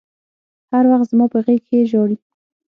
هر وخت زما په غېږ کښې ژاړي.